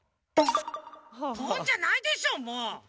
ポンッ！じゃないでしょうもう！